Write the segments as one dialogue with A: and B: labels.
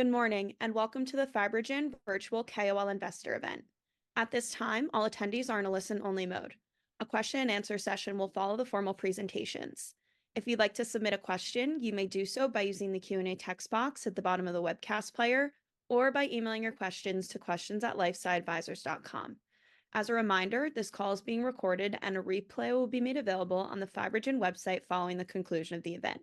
A: Good morning and welcome to the FibroGen Virtual KOL Investor Event. At this time, all attendees are in a listen-only mode. A question-and-answer session will follow the formal presentations. If you'd like to submit a question, you may do so by using the Q&A text box at the bottom of the webcast player, or by emailing your questions to questions@lifesciadvisors.com. As a reminder, this call is being recorded and a replay will be made available on the FibroGen website following the conclusion of the event.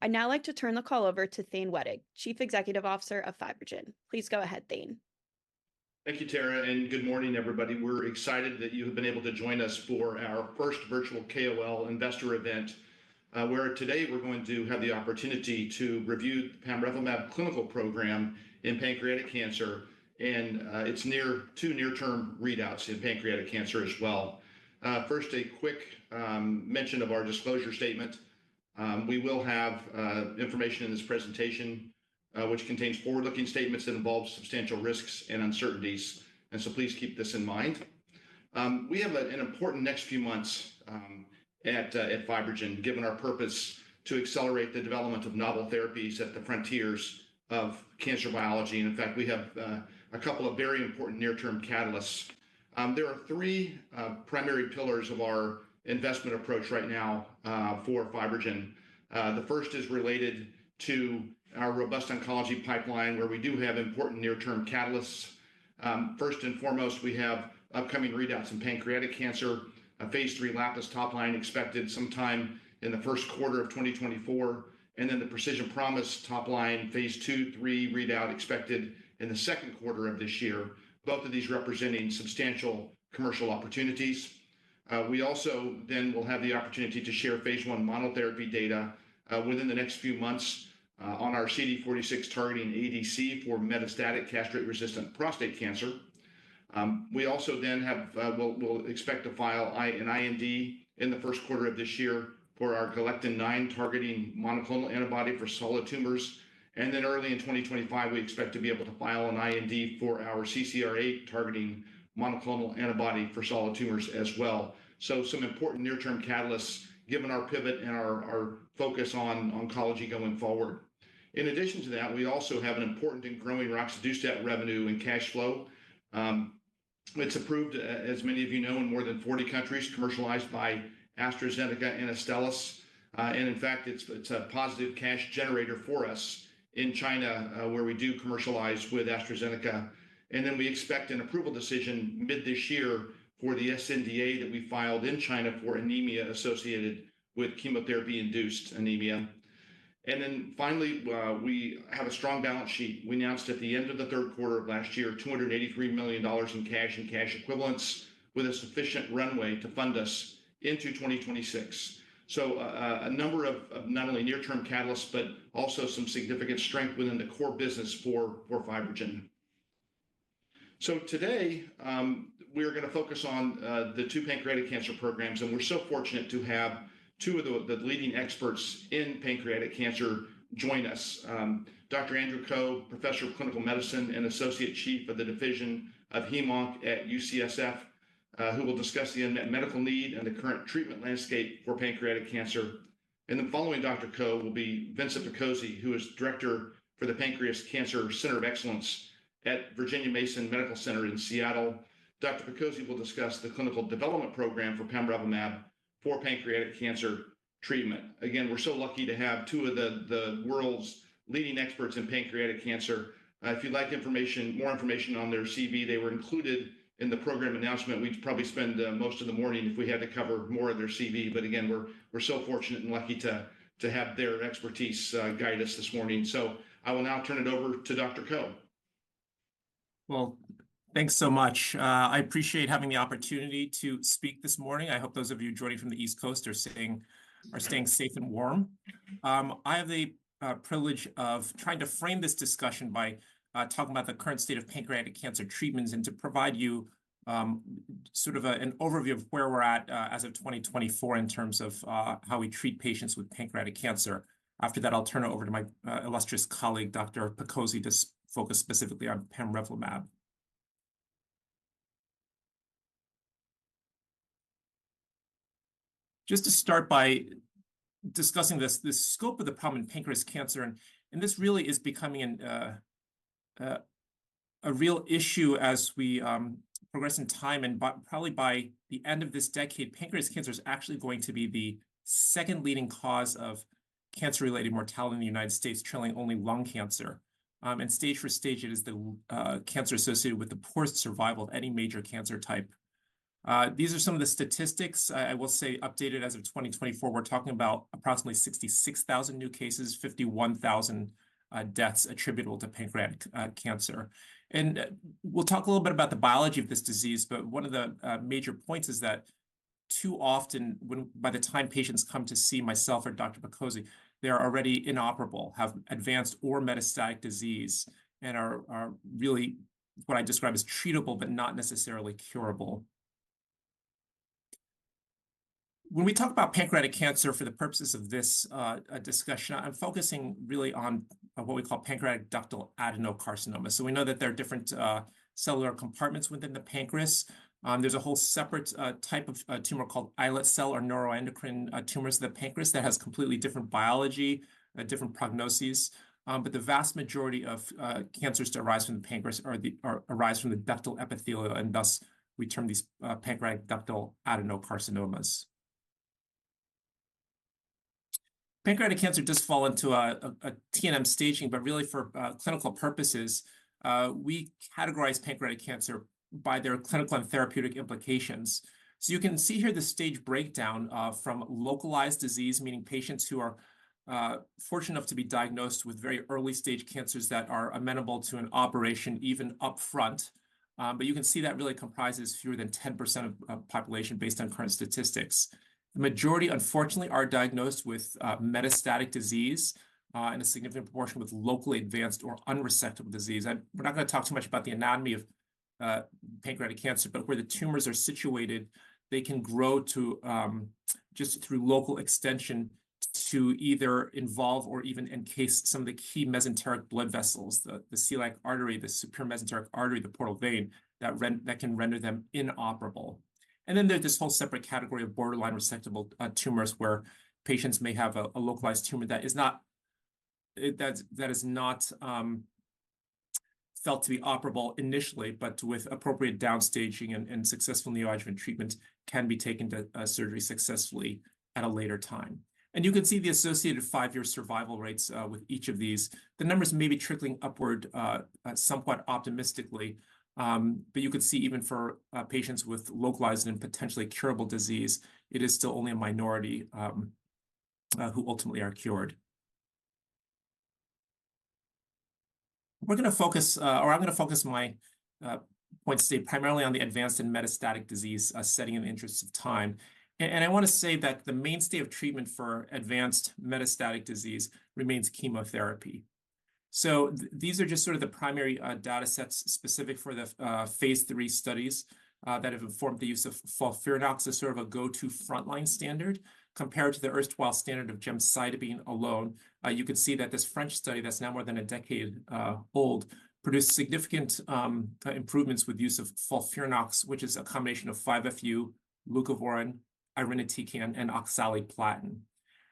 A: I'd now like to turn the call over to Thane Wettig, Chief Executive Officer of FibroGen. Please go ahead, Thane.
B: Thank you, Tara, and good morning, everybody. We're excited that you have been able to join us for our first virtual KOL Investor Event, where today we're going to have the opportunity to review the pamrevlumab Clinical Program in pancreatic cancer and its two near-term readouts in pancreatic cancer as well. First, a quick mention of our disclosure statement. We will have information in this presentation which contains forward-looking statements that involve substantial risks and uncertainties, and so please keep this in mind. We have an important next few months at FibroGen, given our purpose to accelerate the development of novel therapies at the frontiers of cancer biology. And in fact, we have a couple of very important near-term catalysts. There are three primary pillars of our investment approach right now for FibroGen. The first is related to our robust oncology pipeline, where we do have important near-term catalysts. First and foremost, we have upcoming readouts in pancreatic cancer, a Phase III LAPIS top line expected sometime in the first quarter of 2024, and then the Precision Promise top line, Phase II/III readout expected in the second quarter of this year, both of these representing substantial commercial opportunities. We also then will have the opportunity to share Phase I monotherapy data within the next few months on our CD46 targeting ADC for metastatic castrate-resistant prostate cancer. We also then have we'll expect to file an IND in the first quarter of this year for our galectin-9 targeting monoclonal antibody for solid tumors. And then early in 2025, we expect to be able to file an IND for our CCR8 targeting monoclonal antibody for solid tumors as well. So some important near-term catalysts, given our pivot and our focus on oncology going forward. In addition to that, we also have an important and growing roxadustat revenue and cash flow. It's approved, as many of you know, in more than 40 countries, commercialized by AstraZeneca and Astellas. In fact, it's a positive cash generator for us in China, where we do commercialize with AstraZeneca. We expect an approval decision mid this year for the SNDA that we filed in China for anemia associated with chemotherapy-induced anemia. Finally, we have a strong balance sheet. We announced at the end of the third quarter of last year, $283 million in cash and cash equivalents, with a sufficient runway to fund us into 2026. A number of not only near-term catalysts but also some significant strength within the core business for FibroGen. So today, we are going to focus on the two pancreatic cancer programs, and we're so fortunate to have two of the leading experts in pancreatic cancer join us: Dr. Andrew Ko, Professor of Clinical Medicine and Associate Chief of the Division of Hem/Onc at UCSF, who will discuss the unmet medical need and the current treatment landscape for pancreatic cancer. Then following Dr. Ko will be Vincent Picozzi, who is Director for the Pancreatic Cancer Center of Excellence at Virginia Mason Medical Center in Seattle. Dr. Picozzi will discuss the clinical development program for pamrevlumab for pancreatic cancer treatment. Again, we're so lucky to have two of the world's leading experts in pancreatic cancer. If you'd like information, more information on their CV, they were included in the program announcement. We'd probably spend most of the morning if we had to cover more of their CV. But again, we're so fortunate and lucky to have their expertise guide us this morning. So I will now turn it over to Dr. Ko.
C: Well, thanks so much. I appreciate having the opportunity to speak this morning. I hope those of you joining from the East Coast are staying safe and warm. I have the privilege of trying to frame this discussion by talking about the current state of pancreatic cancer treatments and to provide you sort of an overview of where we're at as of 2024 in terms of how we treat patients with pancreatic cancer. After that, I'll turn it over to my illustrious colleague, Dr. Picozzi, to focus specifically on pamrevlumab. Just to start by discussing the scope of the problem in pancreatic cancer, and this really is becoming a real issue as we progress in time. And probably by the end of this decade, pancreatic cancer is actually going to be the second leading cause of cancer-related mortality in the United States, trailing only lung cancer. Stage for stage, it is the cancer associated with the poorest survival of any major cancer type. These are some of the statistics, I will say, updated as of 2024. We're talking about approximately 66,000 new cases, 51,000 deaths attributable to pancreatic cancer. We'll talk a little bit about the biology of this disease, but one of the major points is that too often, by the time patients come to see myself or Dr. Picozzi, they are already inoperable, have advanced or metastatic disease, and are really what I describe as treatable but not necessarily curable. When we talk about pancreatic cancer for the purposes of this discussion, I'm focusing really on what we call pancreatic ductal adenocarcinoma. So we know that there are different cellular compartments within the pancreas. There's a whole separate type of tumor called islet cell or neuroendocrine tumors of the pancreas that has completely different biology, different prognoses. But the vast majority of cancers that arise from the pancreas arise from the ductal epithelial, and thus we term these pancreatic ductal adenocarcinomas. Pancreatic cancer does fall into a TNM staging, but really for clinical purposes, we categorize pancreatic cancer by their clinical and therapeutic implications. So you can see here the stage breakdown from localized disease, meaning patients who are fortunate enough to be diagnosed with very early-stage cancers that are amenable to an operation, even upfront. But you can see that really comprises fewer than 10% of the population based on current statistics. The majority, unfortunately, are diagnosed with metastatic disease and a significant proportion with locally advanced or unresectable disease. We're not going to talk too much about the anatomy of pancreatic cancer, but where the tumors are situated, they can grow just through local extension to either involve or even encase some of the key mesenteric blood vessels, the celiac artery, the superior mesenteric artery, the portal vein, that can render them inoperable. And then there's this whole separate category of borderline resectable tumors, where patients may have a localized tumor that is not felt to be operable initially, but with appropriate downstaging and successful neoadjuvant treatment, can be taken to surgery successfully at a later time. And you can see the associated five-year survival rates with each of these. The numbers may be trickling upward somewhat optimistically, but you can see even for patients with localized and potentially curable disease, it is still only a minority who ultimately are cured. We're going to focus, or I'm going to focus my points today primarily on the advanced and metastatic disease setting in the interests of time. I want to say that the mainstay of treatment for advanced metastatic disease remains chemotherapy. These are just sort of the primary data sets specific for the Phase III studies that have informed the use of FOLFIRINOX as sort of a go-to frontline standard compared to the erstwhile standard of gemcitabine alone. You can see that this French study that's now more than a decade old produced significant improvements with the use of FOLFIRINOX, which is a combination of 5-FU, leucovorin, irinotecan, and oxaliplatin.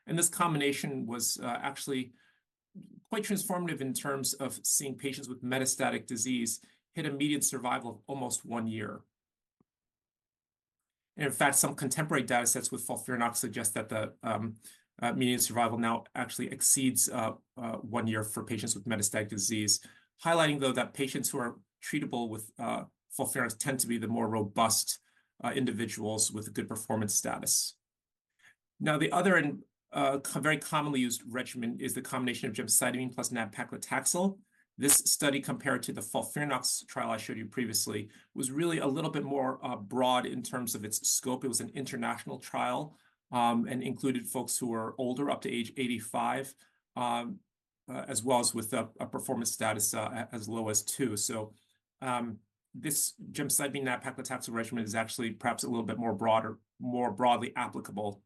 C: This combination was actually quite transformative in terms of seeing patients with metastatic disease hit a median survival of almost one year. In fact, some contemporary data sets with FOLFIRINOX suggest that the median survival now actually exceeds one year for patients with metastatic disease, highlighting, though, that patients who are treatable with FOLFIRINOX tend to be the more robust individuals with a good performance status. Now, the other very commonly used regimen is the combination of gemcitabine plus nab-paclitaxel. This study, compared to the FOLFIRINOX trial I showed you previously, was really a little bit more broad in terms of its scope. It was an international trial and included folks who were older, up to age 85, as well as with a performance status as low as two. So this gemcitabine-nab-paclitaxel regimen is actually perhaps a little bit more broadly applicable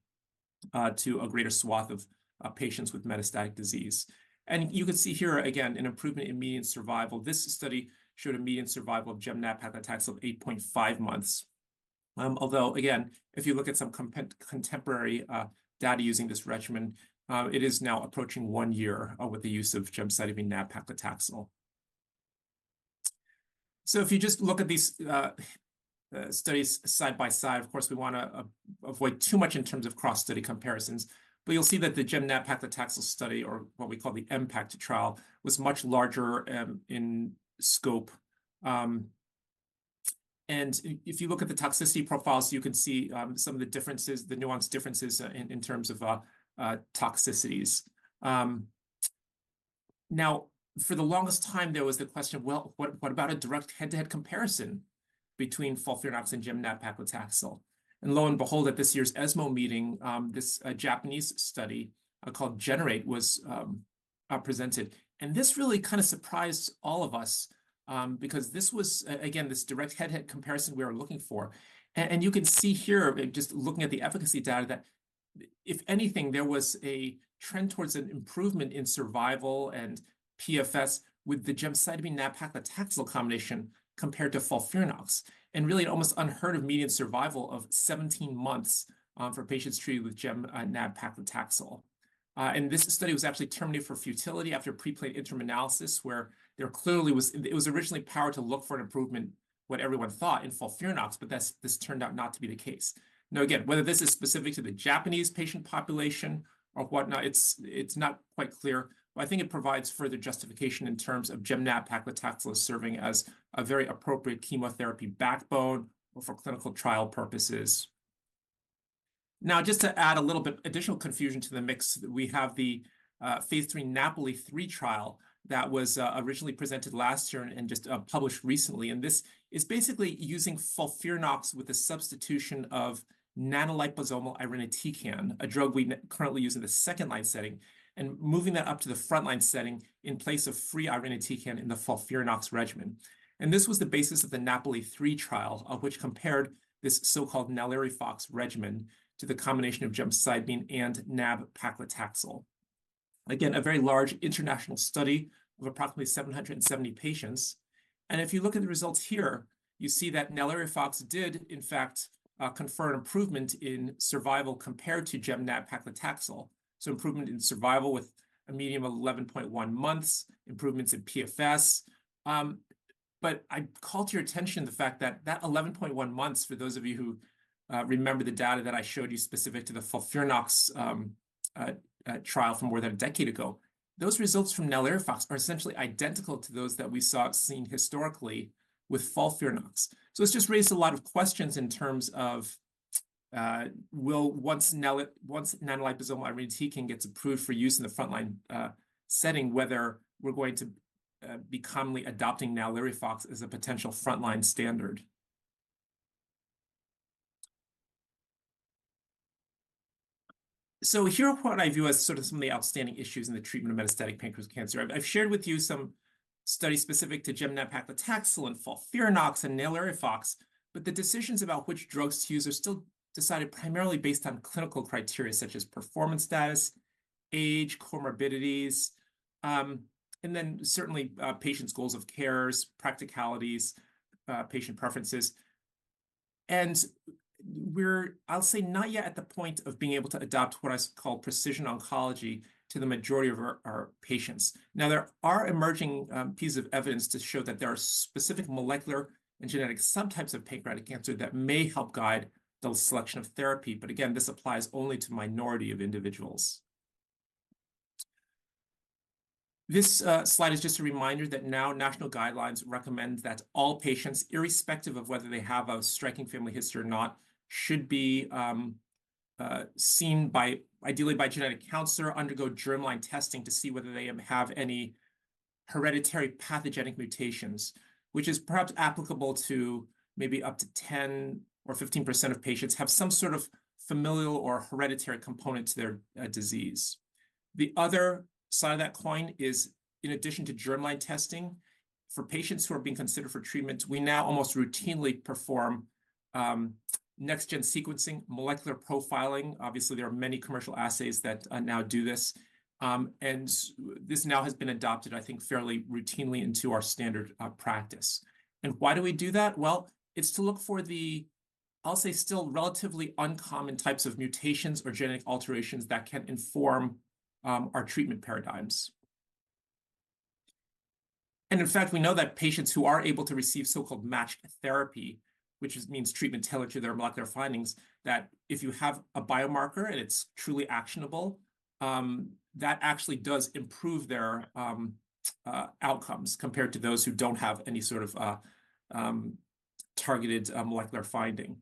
C: to a greater swath of patients with metastatic disease. You can see here, again, an improvement in median survival. This study showed a median survival of gemcitabine/nab-paclitaxel of 8.5 months. Although, again, if you look at some contemporary data using this regimen, it is now approaching one year with the use of gemcitabine/nab-paclitaxel. So if you just look at these studies side by side, of course, we want to avoid too much in terms of cross-study comparisons. But you'll see that the gemcitabine/nab-paclitaxel study, or what we call the MPACT trial, was much larger in scope. And if you look at the toxicity profiles, you can see some of the differences, the nuanced differences in terms of toxicities. Now, for the longest time, there was the question, well, what about a direct head-to-head comparison between FOLFIRINOX and gemcitabine/nab-paclitaxel? And lo and behold, at this year's ESMO meeting, this Japanese study called GENERATE was presented. And this really kind of surprised all of us because this was, again, this direct head-to-head comparison we were looking for. And you can see here, just looking at the efficacy data, that if anything, there was a trend towards an improvement in survival and PFS with the gemcitabine/nab-paclitaxel combination compared to FOLFIRINOX, and really an almost unheard-of median survival of 17 months for patients treated with gemcitabine/nab-paclitaxel. And this study was actually terminated for futility after pre-planned interim analysis, where there clearly was originally powered to look for an improvement, what everyone thought, in FOLFIRINOX, but this turned out not to be the case. Now, again, whether this is specific to the Japanese patient population or whatnot, it's not quite clear. But I think it provides further justification in terms of gemcitabine/nab-paclitaxel serving as a very appropriate chemotherapy backbone or for clinical trial purposes. Now, just to add a little bit additional confusion to the mix, we have the Phase III NAPOLI-3 trial that was originally presented last year and just published recently. This is basically using FOLFIRINOX with the substitution of nanoliposomal irinotecan, a drug we currently use in the second-line setting, and moving that up to the frontline setting in place of free irinotecan in the FOLFIRINOX regimen. This was the basis of the NAPOLI-3 trial, which compared this so-called NALIRIFOX regimen to the combination of gemcitabine and nab-paclitaxel. Again, a very large international study of approximately 770 patients. If you look at the results here, you see that NALIRIFOX did, in fact, confer an improvement in survival compared to gemnab-paclitaxel, so improvement in survival with a median of 11.1 months, improvements in PFS. But I called to your attention the fact that that 11.1 months, for those of you who remember the data that I showed you specific to the FOLFIRINOX trial from more than a decade ago, those results from NALIRIFOX are essentially identical to those that we saw seen historically with FOLFIRINOX. So it's just raised a lot of questions in terms of, will once nanoliposomal irinotecan gets approved for use in the frontline setting, whether we're going to be calmly adopting NALIRIFOX as a potential frontline standard. So here are what I view as sort of some of the outstanding issues in the treatment of metastatic pancreatic cancer. I've shared with you some studies specific to gemcitabine/nab-paclitaxel and FOLFIRINOX and NALIRIFOX, but the decisions about which drugs to use are still decided primarily based on clinical criteria such as performance status, age, comorbidities, and then certainly patients' goals of care, practicalities, patient preferences. And we're, I'll say, not yet at the point of being able to adopt what I call precision oncology to the majority of our patients. Now, there are emerging pieces of evidence to show that there are specific molecular and genetic subtypes of pancreatic cancer that may help guide the selection of therapy. But again, this applies only to a minority of individuals. This slide is just a reminder that now national guidelines recommend that all patients, irrespective of whether they have a striking family history or not, should be seen ideally by genetic counselor, undergo germline testing to see whether they have any hereditary pathogenic mutations, which is perhaps applicable to maybe up to 10%-15% of patients who have some sort of familial or hereditary component to their disease. The other side of that coin is, in addition to germline testing, for patients who are being considered for treatment, we now almost routinely perform next-gen sequencing, molecular profiling. Obviously, there are many commercial assays that now do this. This now has been adopted, I think, fairly routinely into our standard practice. Why do we do that? Well, it's to look for the, I'll say, still relatively uncommon types of mutations or genetic alterations that can inform our treatment paradigms. In fact, we know that patients who are able to receive so-called matched therapy, which means treatment tailored to their molecular findings, that if you have a biomarker and it's truly actionable, that actually does improve their outcomes compared to those who don't have any sort of targeted molecular finding.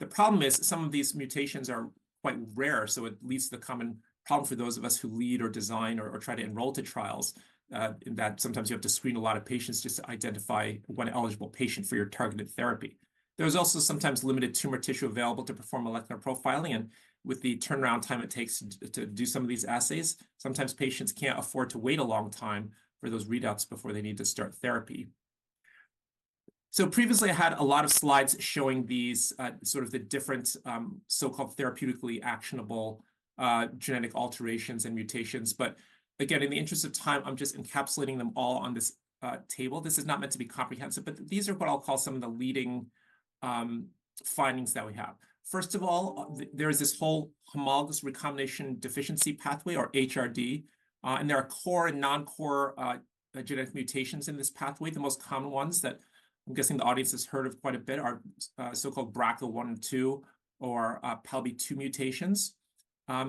C: The problem is some of these mutations are quite rare, so at least the common problem for those of us who lead or design or try to enroll to trials in that sometimes you have to screen a lot of patients just to identify one eligible patient for your targeted therapy. There's also sometimes limited tumor tissue available to perform molecular profiling. With the turnaround time it takes to do some of these assays, sometimes patients can't afford to wait a long time for those readouts before they need to start therapy. Previously, I had a lot of slides showing these sort of the different so-called therapeutically actionable genetic alterations and mutations. But again, in the interest of time, I'm just encapsulating them all on this table. This is not meant to be comprehensive, but these are what I'll call some of the leading findings that we have. First of all, there is this whole homologous recombination deficiency pathway, or HRD. And there are core and non-core genetic mutations in this pathway. The most common ones that I'm guessing the audience has heard of quite a bit are so-called BRCA1/2 or PALB2 mutations.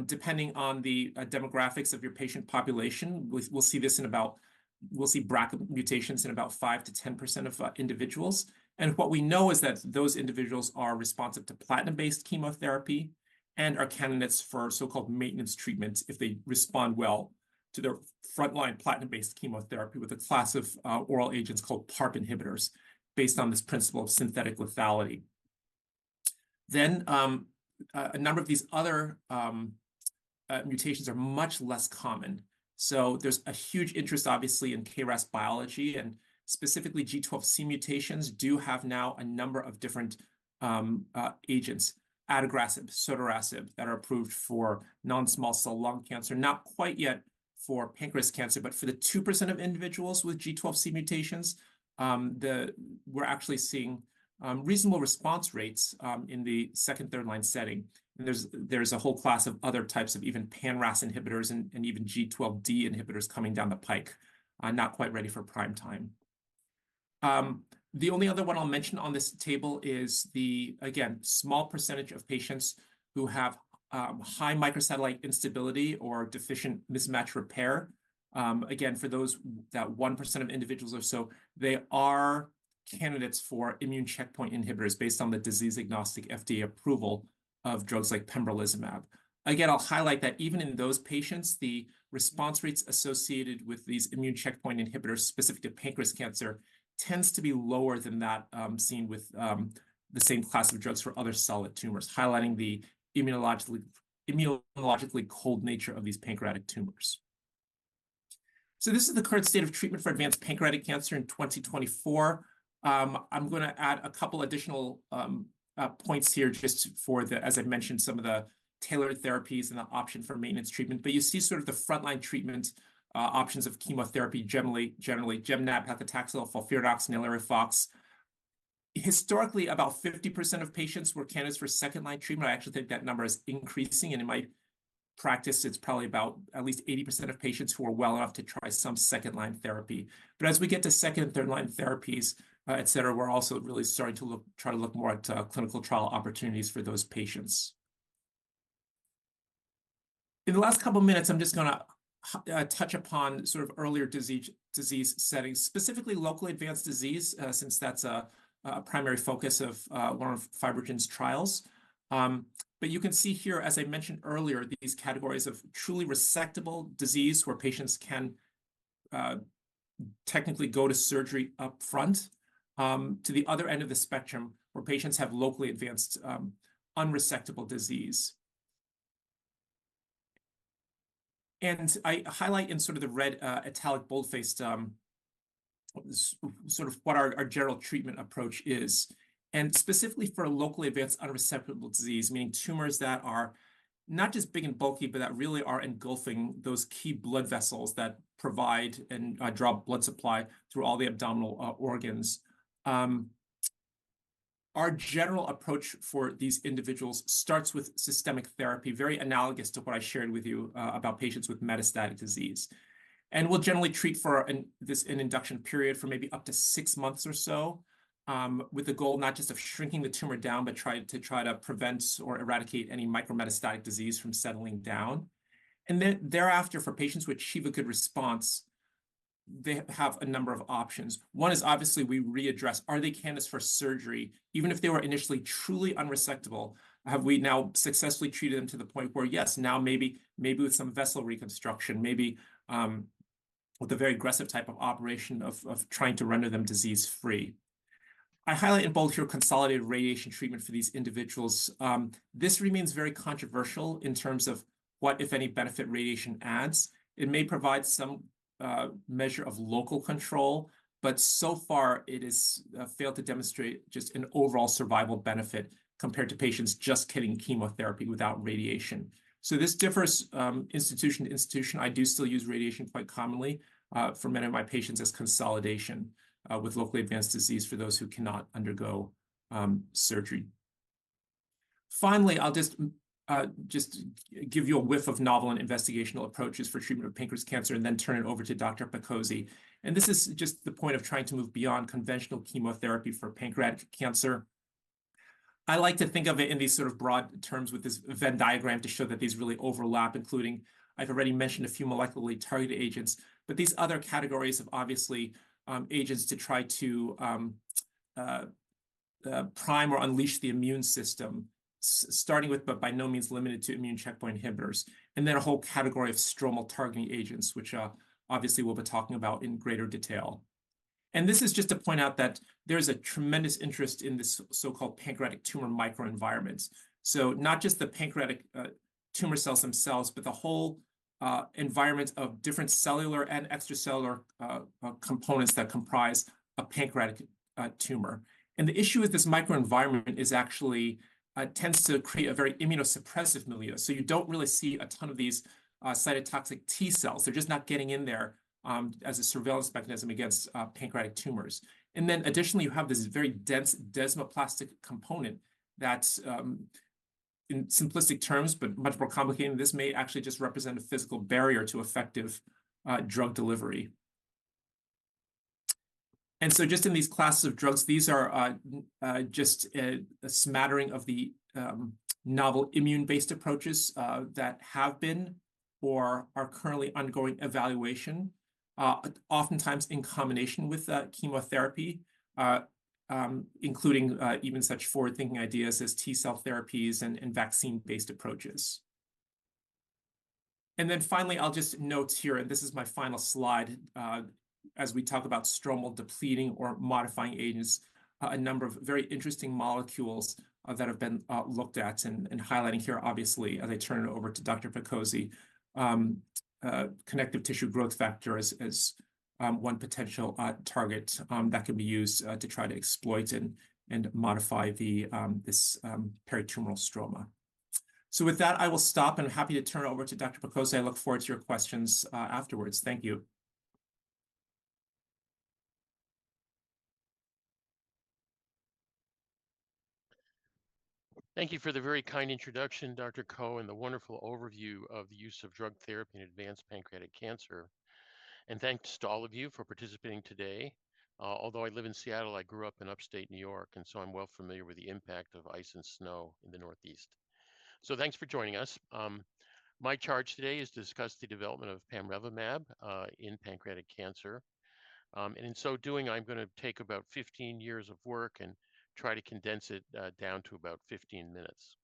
C: Depending on the demographics of your patient population, we'll see BRCA mutations in about 5%-10% of individuals. And what we know is that those individuals are responsive to platinum-based chemotherapy and are candidates for so-called maintenance treatments if they respond well to their frontline platinum-based chemotherapy with a class of oral agents called PARP inhibitors based on this principle of synthetic lethality. Then a number of these other mutations are much less common. So there's a huge interest, obviously, in KRAS biology. And specifically, G12C mutations do have now a number of different agents, adagrasib, sotorasib, that are approved for non-small cell lung cancer, not quite yet for pancreatic cancer, but for the 2% of individuals with G12C mutations, we're actually seeing reasonable response rates in the second, third-line setting. And there's a whole class of other types of even pan-RAS inhibitors and even G12D inhibitors coming down the pike, not quite ready for prime time. The only other one I'll mention on this table is the, again, small percentage of patients who have high microsatellite instability or deficient mismatch repair. Again, for those that 1% of individuals or so, they are candidates for immune checkpoint inhibitors based on the disease-agnostic FDA approval of drugs like pembrolizumab. Again, I'll highlight that even in those patients, the response rates associated with these immune checkpoint inhibitors specific to pancreatic cancer tend to be lower than that seen with the same class of drugs for other solid tumors, highlighting the immunologically cold nature of these pancreatic tumors. So this is the current state of treatment for advanced pancreatic cancer in 2024. I'm going to add a couple additional points here just for the, as I mentioned, some of the tailored therapies and the option for maintenance treatment. But you see sort of the frontline treatment options of chemotherapy, generally gemcitabine/nab-paclitaxel, FOLFIRINOX, NALIRIFOX. Historically, about 50% of patients were candidates for second-line treatment. I actually think that number is increasing. And in my practice, it's probably about at least 80% of patients who are well enough to try some second-line therapy. But as we get to second- and third-line therapies, etc., we're also really starting to look more at clinical trial opportunities for those patients. In the last couple of minutes, I'm just going to touch upon sort of earlier disease settings, specifically locally advanced disease, since that's a primary focus of one of FibroGen's trials. But you can see here, as I mentioned earlier, these categories of truly resectable disease where patients can technically go to surgery upfront, to the other end of the spectrum where patients have locally advanced unresectable disease. And I highlight in sort of the red italic bold-faced sort of what our general treatment approach is. And specifically for locally advanced unresectable disease, meaning tumors that are not just big and bulky, but that really are engulfing those key blood vessels that provide and draw blood supply through all the abdominal organs, our general approach for these individuals starts with systemic therapy, very analogous to what I shared with you about patients with metastatic disease. And we'll generally treat for this in induction period for maybe up to six months or so, with the goal not just of shrinking the tumor down, but try to try to prevent or eradicate any micrometastatic disease from settling down. And then thereafter, for patients who achieve a good response, they have a number of options. One is obviously we readdress, are they candidates for surgery? Even if they were initially truly unresectable, have we now successfully treated them to the point where, yes, now maybe with some vessel reconstruction, maybe with a very aggressive type of operation of trying to render them disease-free? I highlight in bold here consolidated radiation treatment for these individuals. This remains very controversial in terms of what, if any, benefit radiation adds. It may provide some measure of local control, but so far it has failed to demonstrate just an overall survival benefit compared to patients just getting chemotherapy without radiation. So this differs institution to institution. I do still use radiation quite commonly for many of my patients as consolidation with locally advanced disease for those who cannot undergo surgery. Finally, I'll just give you a whiff of novel and investigational approaches for treatment of pancreas cancer and then turn it over to Dr. Picozzi. This is just the point of trying to move beyond conventional chemotherapy for pancreatic cancer. I like to think of it in these sort of broad terms with this Venn diagram to show that these really overlap, including I've already mentioned a few molecularly targeted agents, but these other categories of obviously agents to try to prime or unleash the immune system, starting with but by no means limited to immune checkpoint inhibitors, and then a whole category of stromal targeting agents, which obviously we'll be talking about in greater detail. This is just to point out that there is a tremendous interest in this so-called pancreatic tumor microenvironments. Not just the pancreatic tumor cells themselves, but the whole environment of different cellular and extracellular components that comprise a pancreatic tumor. The issue with this microenvironment is actually it tends to create a very immunosuppressive milieu. You don't really see a ton of these cytotoxic T cells. They're just not getting in there as a surveillance mechanism against pancreatic tumors. And then additionally, you have this very dense desmoplastic component that's, in simplistic terms, but much more complicated than this, may actually just represent a physical barrier to effective drug delivery. And so just in these classes of drugs, these are just a smattering of the novel immune-based approaches that have been or are currently undergoing evaluation, oftentimes in combination with chemotherapy, including even such forward-thinking ideas as T cell therapies and vaccine-based approaches. And then finally, I'll just note here, and this is my final slide, as we talk about stromal depleting or modifying agents, a number of very interesting molecules that have been looked at. And highlighting here, obviously, as I turn it over to Dr. Picozzi, connective tissue growth factor as one potential target that can be used to try to exploit and modify this peritumoral stroma. So with that, I will stop and I'm happy to turn it over to Dr. Picozzi. I look forward to your questions afterwards. Thank you.
D: Thank you for the very kind introduction, Dr. Ko, and the wonderful overview of the use of drug therapy in advanced pancreatic cancer. And thanks to all of you for participating today. Although I live in Seattle, I grew up in upstate New York, and so I'm well familiar with the impact of ice and snow in the Northeast. So thanks for joining us. My charge today is to discuss the development of pamrevlumab in pancreatic cancer. And in so doing, I'm going to take about 15 years of work and try to condense it down to about 15 minutes.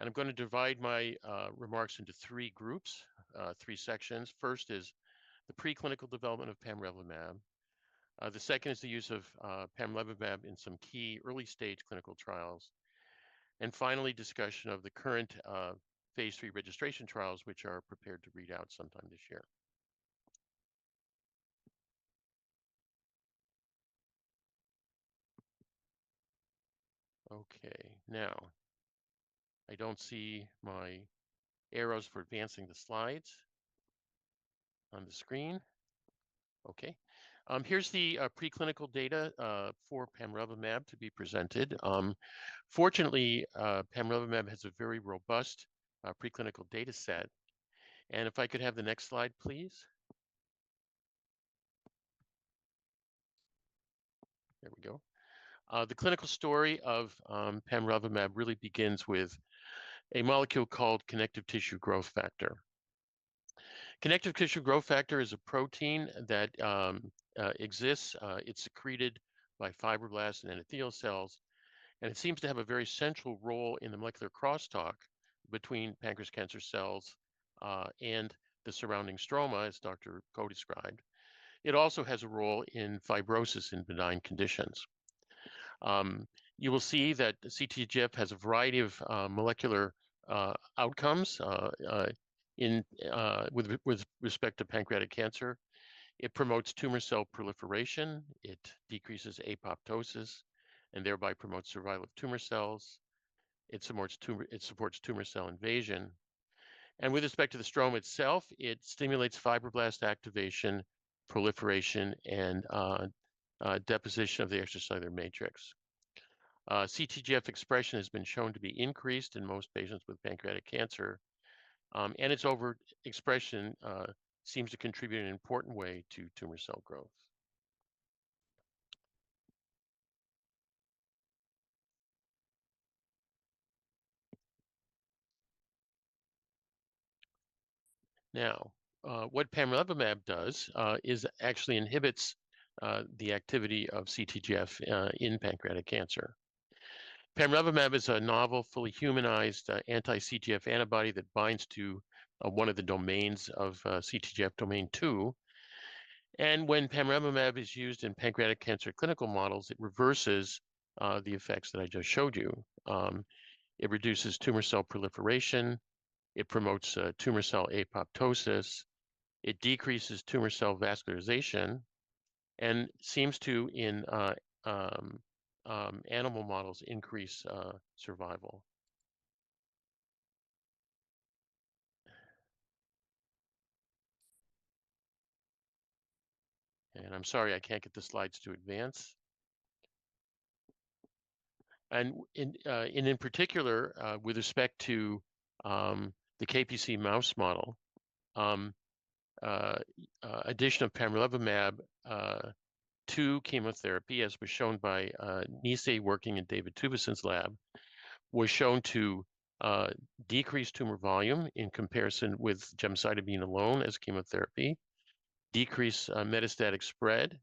D: And I'm going to divide my remarks into three groups, three sections. First is the preclinical development of pamrevlumab. The second is the use of pamrevlumab in some key early-stage clinical trials. Finally, discussion of the current Phase three registration trials, which are prepared to read out sometime this year. Okay, now I don't see my arrows for advancing the slides on the screen. Okay, here's the preclinical data for pamrevlumab to be presented. Fortunately, pamrevlumab has a very robust preclinical data set. If I could have the next slide, please. There we go. The clinical story of pamrevlumab really begins with a molecule called connective tissue growth factor. Connective tissue growth factor is a protein that exists. It's secreted by fibroblasts and endothelial cells. It seems to have a very central role in the molecular crosstalk between pancreatic cancer cells and the surrounding stroma, as Dr. Ko described. It also has a role in fibrosis in benign conditions. You will see that CTGF has a variety of molecular outcomes with respect to pancreatic cancer. It promotes tumor cell proliferation. It decreases apoptosis and thereby promotes survival of tumor cells. It supports tumor cell invasion. With respect to the stroma itself, it stimulates fibroblast activation, proliferation, and deposition of the extracellular matrix. CTGF expression has been shown to be increased in most patients with pancreatic cancer. Its over-expression seems to contribute in an important way to tumor cell growth. Now, what pamrevlumab does is actually inhibits the activity of CTGF in pancreatic cancer. Pamrevlumab is a novel, fully humanized anti-CTGF antibody that binds to one of the domains of CTGF, domain II. When pamrevlumab is used in pancreatic cancer clinical models, it reverses the effects that I just showed you. It reduces tumor cell proliferation. It promotes tumor cell apoptosis. It decreases tumor cell vascularization and seems to, in animal models, increase survival. I'm sorry, I can't get the slides to advance. And in particular, with respect to the KPC mouse model, addition of pamrevlumab to chemotherapy, as was shown by Neese working in David Tuveson's lab, was shown to decrease tumor volume in comparison with gemcitabine alone as chemotherapy, decrease metastatic spread,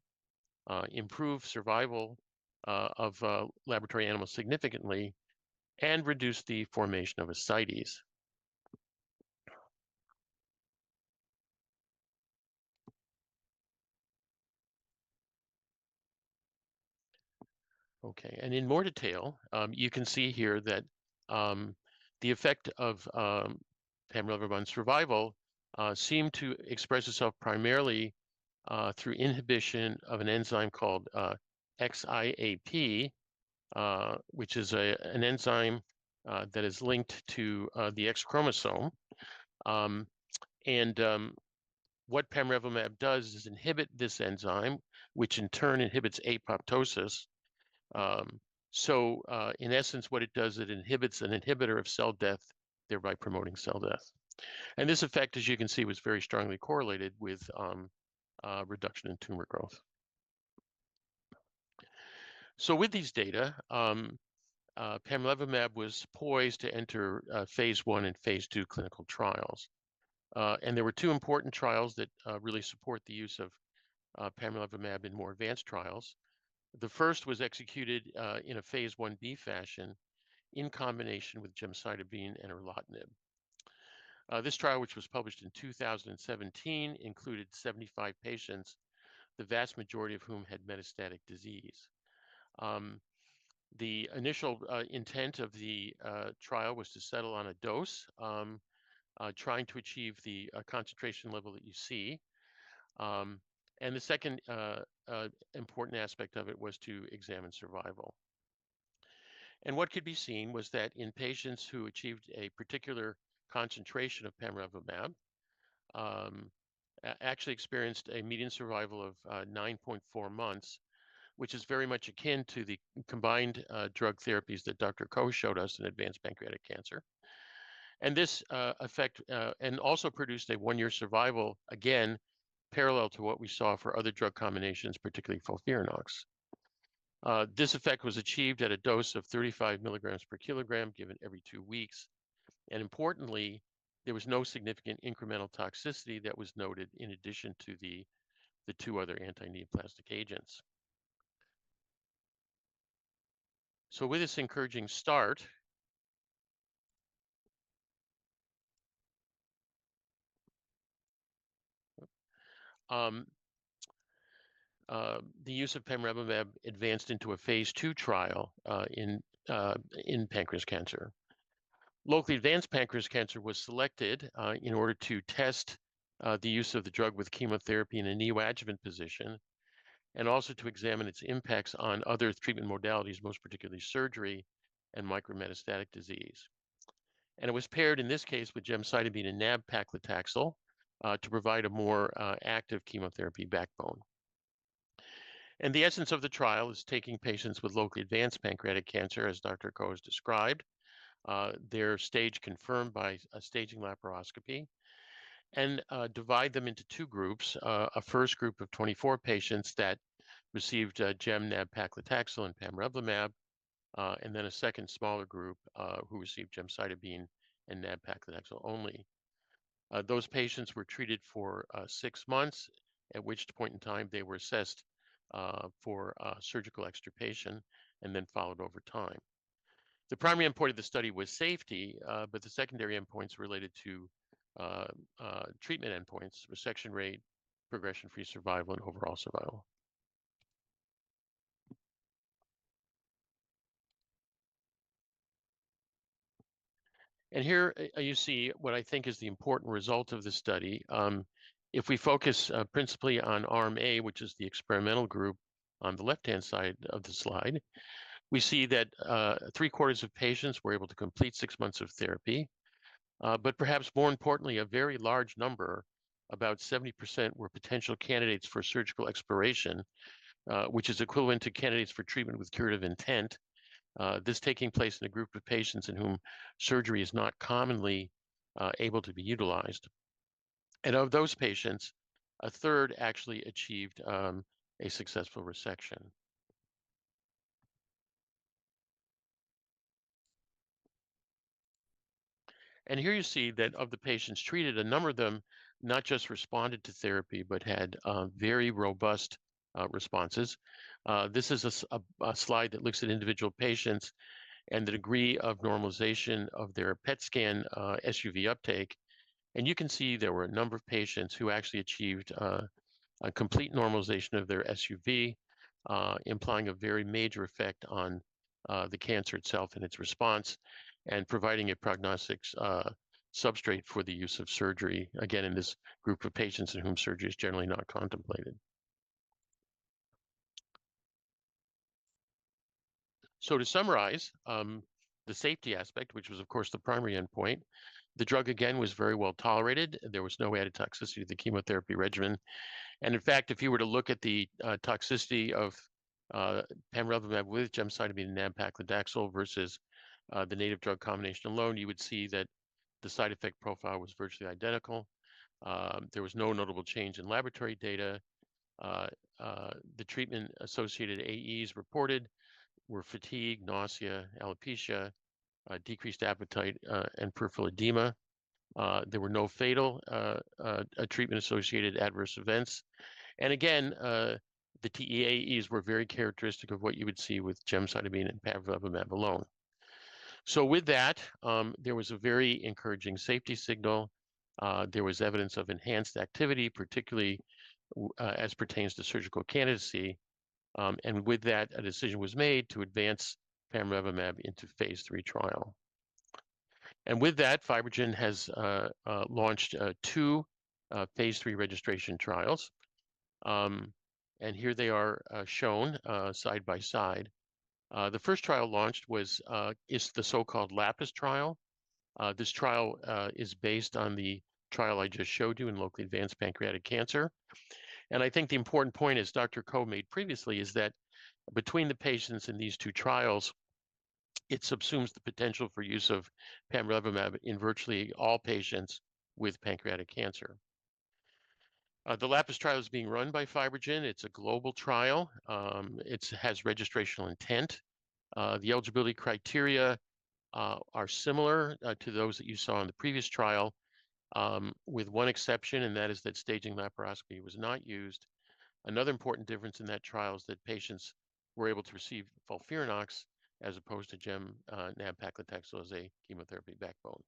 D: improve survival of laboratory animals significantly, and reduce the formation of ascites. Okay, and in more detail, you can see here that the effect of pamrevlumab on survival seemed to express itself primarily through inhibition of an enzyme called XIAP, which is an enzyme that is linked to the X chromosome. And what pamrevlumab does is inhibit this enzyme, which in turn inhibits apoptosis. So in essence, what it does, it inhibits an inhibitor of cell death, thereby promoting cell death. And this effect, as you can see, was very strongly correlated with reduction in tumor growth. So with these data, pamrevlumab was poised to enter Phase I and Phase II clinical trials. There were two important trials that really support the use of pamrevlumab in more advanced trials. The first was executed in a Phase Ib fashion in combination with gemcitabine and nab-paclitaxel. This trial, which was published in 2017, included 75 patients, the vast majority of whom had metastatic disease. The initial intent of the trial was to settle on a dose, trying to achieve the concentration level that you see. The second important aspect of it was to examine survival. What could be seen was that in patients who achieved a particular concentration of pamrevlumab, actually experienced a median survival of 9.4 months, which is very much akin to the combined drug therapies that Dr. Ko showed us in advanced pancreatic cancer. This effect also produced a one-year survival, again, parallel to what we saw for other drug combinations, particularly FOLFIRINOX. This effect was achieved at a dose of 35 milligrams per kilogram given every two weeks. Importantly, there was no significant incremental toxicity that was noted in addition to the two other antineoplastic agents. With this encouraging start, the use of pamrevlumab advanced into a Phase II trial in pancreatic cancer. Locally advanced pancreatic cancer was selected in order to test the use of the drug with chemotherapy in a neoadjuvant position, and also to examine its impacts on other treatment modalities, most particularly surgery and micrometastatic disease. It was paired, in this case, with gemcitabine and nab-paclitaxel to provide a more active chemotherapy backbone. The essence of the trial is taking patients with locally advanced pancreatic cancer, as Dr. Ko has described, their stage confirmed by staging laparoscopy, and divide them into two groups: a first group of 24 patients that received gem, nab-paclitaxel, and pamrevlumab; and then a second smaller group who received gemcitabine and nab-paclitaxel only. Those patients were treated for six months, at which point in time they were assessed for surgical extirpation and then followed over time. The primary endpoint of the study was safety, but the secondary endpoints related to treatment endpoints: resection rate, progression-free survival, and overall survival. Here you see what I think is the important result of the study. If we focus principally on Arm A, which is the experimental group on the left-hand side of the slide, we see that three-quarters of patients were able to complete six months of therapy. But perhaps more importantly, a very large number, about 70%, were potential candidates for surgical exploration, which is equivalent to candidates for treatment with curative intent, this taking place in a group of patients in whom surgery is not commonly able to be utilized. And of those patients, a third actually achieved a successful resection. And here you see that of the patients treated, a number of them not just responded to therapy but had very robust responses. This is a slide that looks at individual patients and the degree of normalization of their PET scan SUV uptake. You can see there were a number of patients who actually achieved a complete normalization of their SUV, implying a very major effect on the cancer itself and its response, and providing a prognostic substrate for the use of surgery, again, in this group of patients in whom surgery is generally not contemplated. So to summarize the safety aspect, which was, of course, the primary endpoint, the drug again was very well tolerated. There was no added toxicity to the chemotherapy regimen. And in fact, if you were to look at the toxicity of pamrevlumab with gemcitabine and nab-paclitaxel versus the native drug combination alone, you would see that the side effect profile was virtually identical. There was no notable change in laboratory data. The treatment-associated AEs reported were fatigue, nausea, alopecia, decreased appetite, and peripheral edema. There were no fatal treatment-associated adverse events. And again, the TEAEs were very characteristic of what you would see with gemcitabine and pamrevlumab alone. So with that, there was a very encouraging safety signal. There was evidence of enhanced activity, particularly as pertains to surgical candidacy. And with that, a decision was made to advance pamrevlumab into Phase III trial. And with that, FibroGen has launched two Phase III registration trials. And here they are shown side by side. The first trial launched is the so-called LAPIS trial. This trial is based on the trial I just showed you in locally advanced pancreatic cancer. And I think the important point, as Dr. Koh made previously, is that between the patients in these two trials, it subsumes the potential for use of pamrevlumab in virtually all patients with pancreatic cancer. The LAPIS trial is being run by FibroGen. It's a global trial. It has registration intent. The eligibility criteria are similar to those that you saw in the previous trial, with one exception, and that is that staging laparoscopy was not used. Another important difference in that trial is that patients were able to receive FOLFIRINOX as opposed to gem, nab-paclitaxel as a chemotherapy backbone.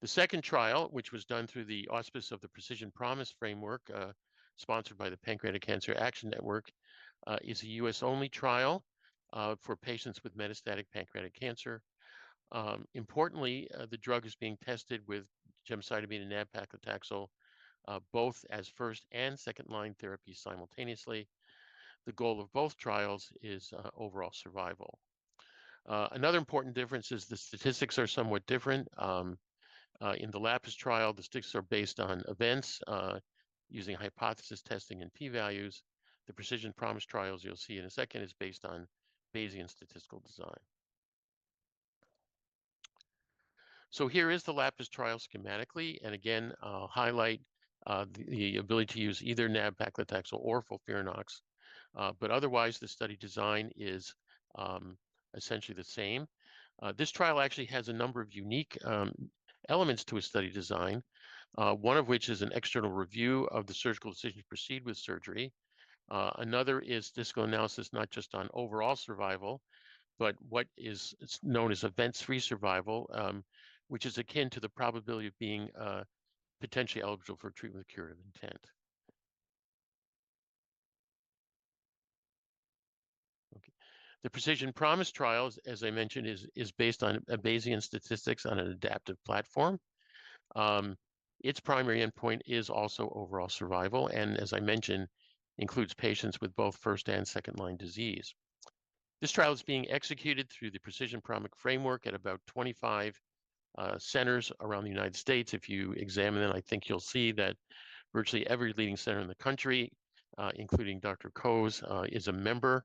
D: The second trial, which was done through the auspices of the Precision Promise framework, sponsored by the Pancreatic Cancer Action Network, is a U.S.-only trial for patients with metastatic pancreatic cancer. Importantly, the drug is being tested with gemcitabine and nab-paclitaxel, both as first- and second-line therapy simultaneously. The goal of both trials is overall survival. Another important difference is the statistics are somewhat different. In the LAPIS trial, the statistics are based on events using hypothesis testing and p-values. The Precision Promise trials you'll see in a second are based on Bayesian statistical design. Here is the LAPIS trial schematically. Again, I'll highlight the ability to use either nab-paclitaxel or FOLFIRINOX. Otherwise, the study design is essentially the same. This trial actually has a number of unique elements to its study design, one of which is an external review of the surgical decision to proceed with surgery. Another is EFS analysis, not just on overall survival, but what is known as events-free survival, which is akin to the probability of being potentially eligible for treatment with curative intent. The Precision Promise trial, as I mentioned, is based on Bayesian statistics on an adaptive platform. Its primary endpoint is also overall survival, and as I mentioned, includes patients with both first and second-line disease. This trial is being executed through the Precision Promise framework at about 25 centers around the United States. If you examine it, I think you'll see that virtually every leading center in the country, including Dr. Ko's, is a member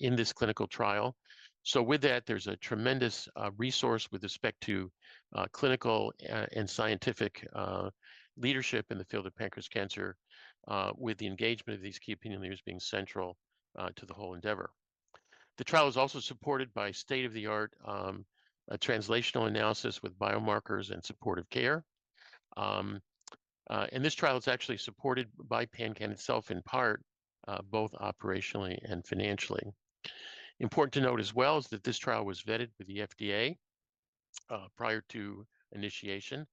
D: in this clinical trial. So with that, there's a tremendous resource with respect to clinical and scientific leadership in the field of pancreatic cancer, with the engagement of these key opinion leaders being central to the whole endeavor. The trial is also supported by state-of-the-art translational analysis with biomarkers and supportive care. This trial is actually supported by PanCAN itself in part, both operationally and financially. Important to note as well is that this trial was vetted by the FDA prior to initiation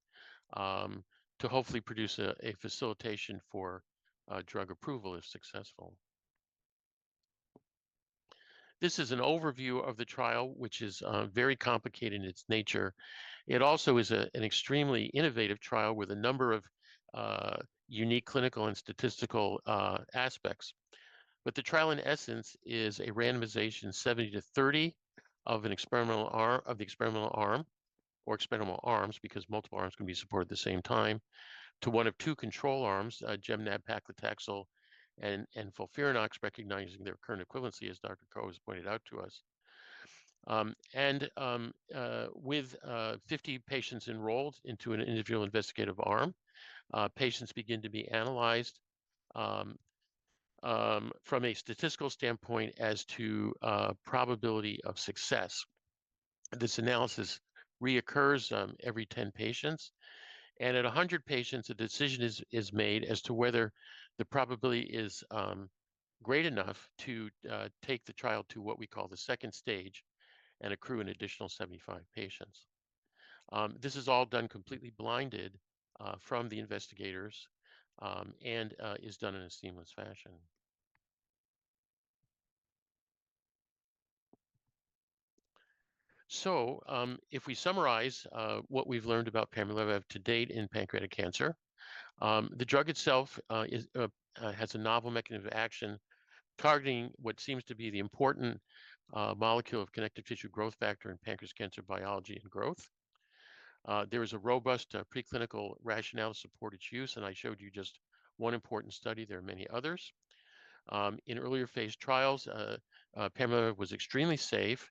D: to hopefully produce a facilitation for drug approval if successful. This is an overview of the trial, which is very complicated in its nature. It also is an extremely innovative trial with a number of unique clinical and statistical aspects. But the trial, in essence, is a randomization 70-30 of the experimental arm or experimental arms (because multiple arms can be supported at the same time) to one of two control arms, gem, nab-paclitaxel, and FOLFIRINOX, recognizing their current equivalency, as Dr. Koh has pointed out to us. With 50 patients enrolled into an individual investigational arm, patients begin to be analyzed from a statistical standpoint as to probability of success. This analysis reoccurs every 10 patients. At 100 patients, a decision is made as to whether the probability is great enough to take the trial to what we call the second stage and accrue an additional 75 patients. This is all done completely blinded from the investigators and is done in a seamless fashion. So if we summarize what we've learned about pamrevlumab to date in pancreatic cancer, the drug itself has a novel mechanism of action targeting what seems to be the important molecule of connective tissue growth factor in pancreatic cancer biology and growth. There is a robust preclinical rationale to support its use. I showed you just one important study. There are many others. In earlier Phase trials, pamrevlumab was extremely safe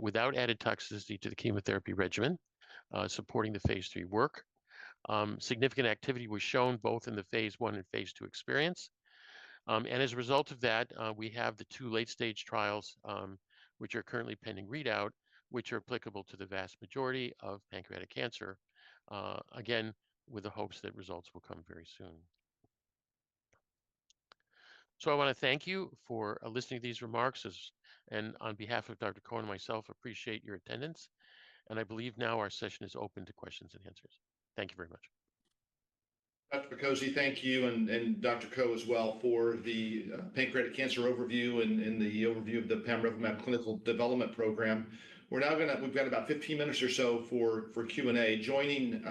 D: without added toxicity to the chemotherapy regimen, supporting the Phase III work. Significant activity was shown both in the Phase I and Phase II experience. As a result of that, we have the 2 late-stage trials, which are currently pending readout, which are applicable to the vast majority of pancreatic cancer, again, with the hopes that results will come very soon. I want to thank you for listening to these remarks. On behalf of Dr.Ko and myself appreciate your attendance. I believe now our session is open to questions and answers.
B: Thank you very much. Dr. Picozzi, thank you. Dr. Ko as well for the pancreatic cancer overview and the overview of the pamrevlumab clinical development program. We're now going to. We've got about 15 minutes or so for Q&A. Joining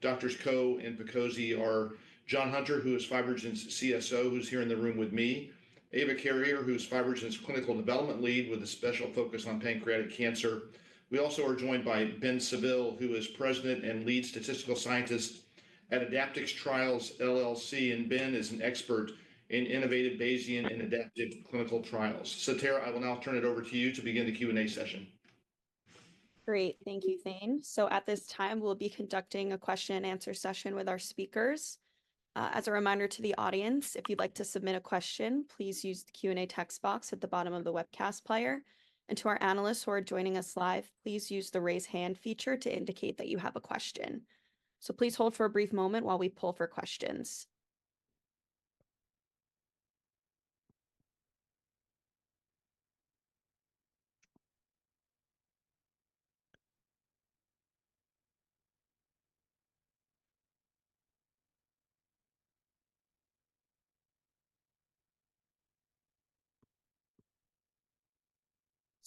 B: Dr. Ko and Picozzi are John Hunter, who is FibroGen's CSO, who's here in the room with me. Ewa Carrier, who's FibroGen's clinical development lead with a special focus on pancreatic cancer. We also are joined by Ben Saville, who is president and lead statistical scientist at Berry Consultants. Ben is an expert in innovative Bayesian and adaptive clinical trials. Tara, I will now turn it over to you to begin the Q&A session.
A: Great. Thank you, Thane. So at this time, we'll be conducting a question-and-answer session with our speakers. As a reminder to the audience, if you'd like to submit a question, please use the Q&A text box at the bottom of the webcast player. And to our analysts who are joining us live, please use the raise hand feature to indicate that you have a question. So please hold for a brief moment while we pull for questions.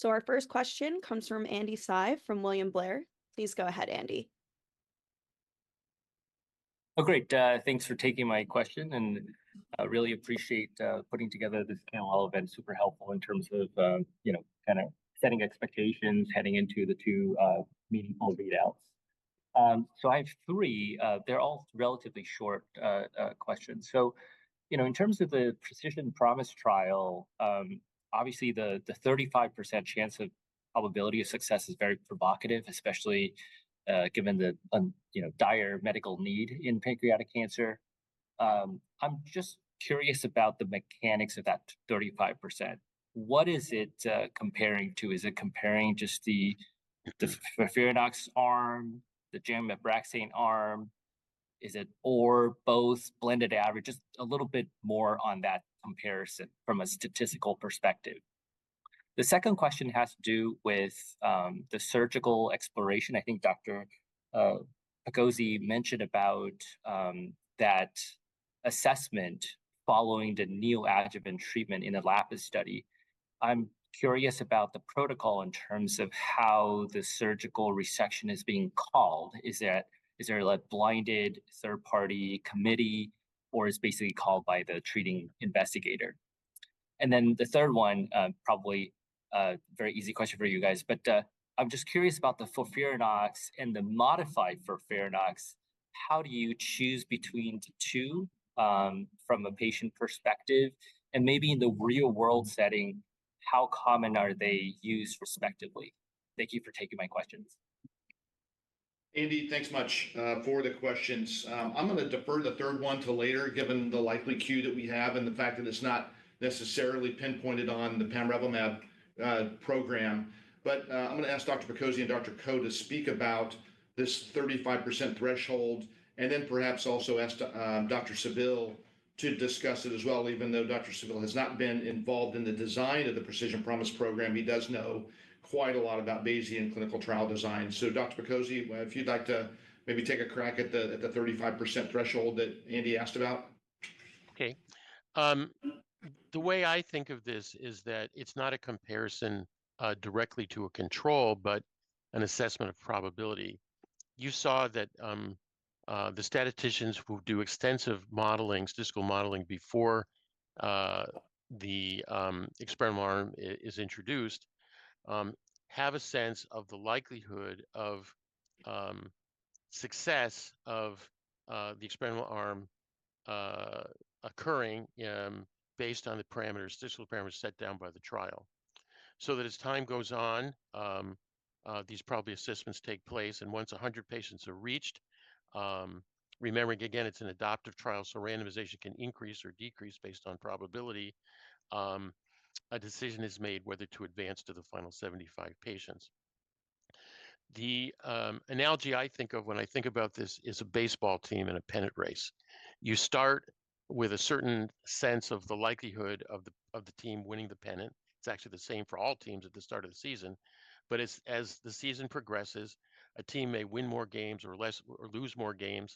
A: So our first question comes from Andy Hsieh from William Blair. Please go ahead, Andy.
E: Oh, great. Thanks for taking my question. Really appreciate putting together this panel all of them. Super helpful in terms of, you know, kind of setting expectations, heading into the two meaningful readouts. I have three. They're all relatively short questions. You know, in terms of the Precision Promise trial, obviously the 35% chance of probability of success is very provocative, especially given the, you know, dire medical need in pancreatic cancer. I'm just curious about the mechanics of that 35%. What is it comparing to? Is it comparing just the FOLFIRINOX arm, the gem/Abraxane arm? Is it or both, blended average, just a little bit more on that comparison from a statistical perspective? The second question has to do with the surgical exploration. I think Dr. Picozzi mentioned about that assessment following the neoadjuvant treatment in a LAPIS study. I'm curious about the protocol in terms of how the surgical resection is being called. Is there a blinded third-party committee, or is it basically called by the treating investigator? And then the third one, probably a very easy question for you guys. But I'm just curious about the FOLFIRINOX and the modified FOLFIRINOX. How do you choose between the two from a patient perspective? And maybe in the real-world setting, how common are they used respectively? Thank you for taking my questions.
B: Andy, thanks much for the questions. I'm going to defer the third one to later, given the likely queue that we have and the fact that it's not necessarily pinpointed on the pamrevlumab program. But I'm going to ask Dr. Picozzi and Dr. Ko to speak about this 35% threshold, and then perhaps also ask Dr. Saville to discuss it as well. Even though Dr. Saville has not been involved in the design of the Precision Promise program, he does know quite a lot about Bayesian clinical trial design. So, Dr. Picozzi, if you'd like to maybe take a crack at the 35% threshold that Andy asked about.
D: Okay. The way I think of this is that it's not a comparison directly to a control, but an assessment of probability. You saw that the statisticians who do extensive modeling, statistical modeling, before the experimental arm is introduced have a sense of the likelihood of success of the experimental arm occurring based on the parameters, statistical parameters set down by the trial. So that as time goes on, these probability assessments take place. And once 100 patients are reached (remembering, again, it's an adaptive trial, so randomization can increase or decrease based on probability), a decision is made whether to advance to the final 75 patients. The analogy I think of when I think about this is a baseball team in a pennant race. You start with a certain sense of the likelihood of the team winning the pennant. It's actually the same for all teams at the start of the season. But as the season progresses, a team may win more games or lose more games.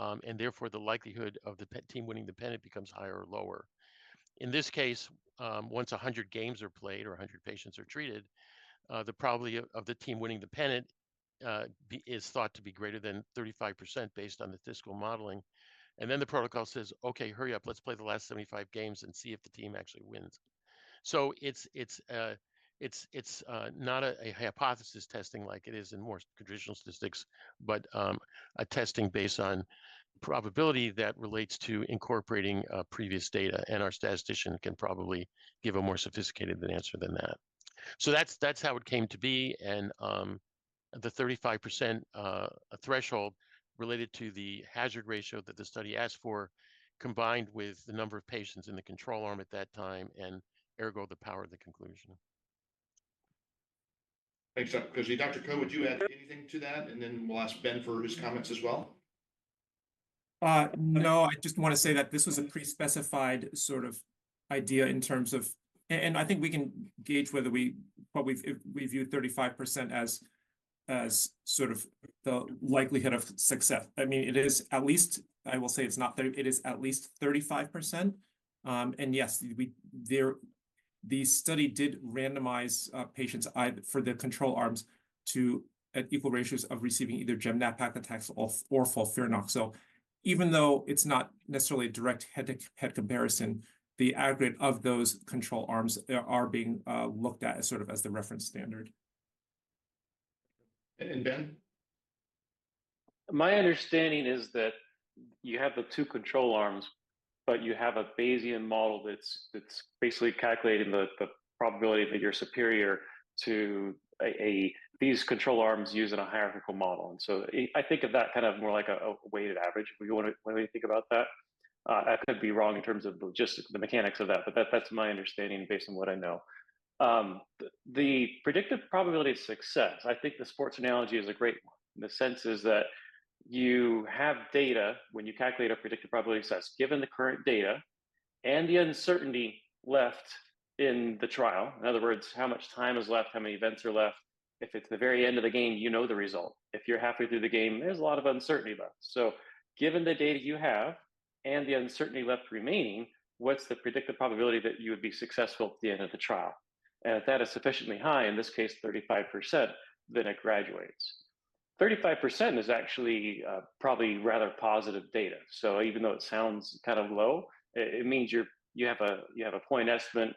D: And therefore, the likelihood of the team winning the pennant becomes higher or lower. In this case, once 100 games are played or 100 patients are treated, the probability of the team winning the pennant is thought to be greater than 35% based on the statistical modeling. And then the protocol says, "OK, hurry up. Let's play the last 75 games and see if the team actually wins." So it's not a hypothesis testing like it is in more traditional statistics, but a testing based on probability that relates to incorporating previous data. And our statistician can probably give a more sophisticated answer than that. So that's how it came to be. The 35% threshold related to the hazard ratio that the study asked for, combined with the number of patients in the control arm at that time, and ergo, the power of the conclusion.
B: Thanks, Dr. Picozzi. Dr. Ko, would you add anything to that? And then we'll ask Ben for his comments as well.
C: No, I just want to say that this was a pre-specified sort of idea in terms of—and I think we can gauge whether we what we've viewed 35% as sort of the likelihood of success. I mean, it is at least—I will say it's not 30%—it is at least 35%. And yes, the study did randomize patients for the control arms to equal ratios of receiving either gem, nab-paclitaxel, or FOLFIRINOX. So even though it's not necessarily a direct head-to-head comparison, the aggregate of those control arms is being looked at as sort of as the reference standard.
B: And Ben?
F: My understanding is that you have the two control arms, but you have a Bayesian model that's basically calculating the probability that you're superior to these control arms used in a hierarchical model. And so I think of that kind of more like a weighted average. What do we think about that? I could be wrong in terms of the logistics, the mechanics of that. But that's my understanding based on what I know. The predictive probability of success, I think the sports analogy is a great one. The sense is that you have data when you calculate a predictive probability of success, given the current data and the uncertainty left in the trial. In other words, how much time is left, how many events are left. If it's the very end of the game, you know the result. If you're halfway through the game, there's a lot of uncertainty left. So given the data you have and the uncertainty left remaining, what's the predictive probability that you would be successful at the end of the trial? And if that is sufficiently high, in this case, 35%, then it graduates. 35% is actually probably rather positive data. So even though it sounds kind of low, it means you have a point estimate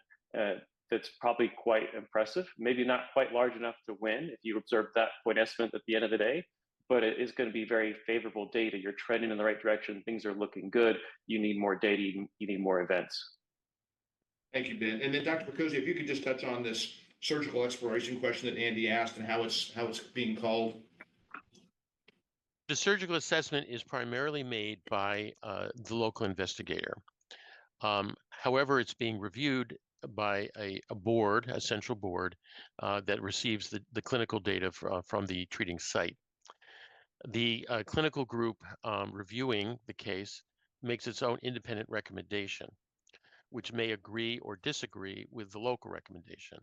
F: that's probably quite impressive, maybe not quite large enough to win if you observe that point estimate at the end of the day. But it is going to be very favorable data. You're trending in the right direction. Things are looking good. You need more data. You need more events.
B: Thank you, Ben. Dr. Picozzi, if you could just touch on this surgical exploration question that Andy asked and how it's being called.
D: The surgical assessment is primarily made by the local investigator. However, it's being reviewed by a board, a central board, that receives the clinical data from the treating site. The clinical group reviewing the case makes its own independent recommendation, which may agree or disagree with the local recommendation.